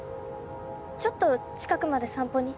ちょっと近くまで散歩に。